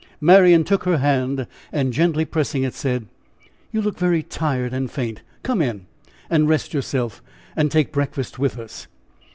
Marian took her hand and gently pressing it, said: "You look very tired and faint come in and rest yourself and take breakfast with us."